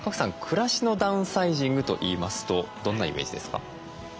暮らしのダウンサイジングといいますとどんなイメージですか？